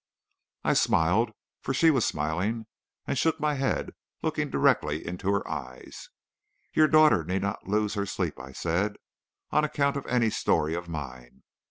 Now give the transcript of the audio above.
I smiled, for she was smiling, and shook my head, looking directly into her eyes. "Your daughter need not lose her sleep," I said, "on account of any story of mine.